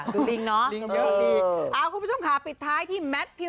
คือใบเฟิร์นเขาเป็นคนที่อยู่กับใครก็ได้ค่ะแล้วก็ตลกด้วย